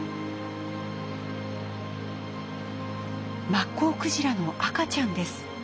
マッコウクジラの赤ちゃんです。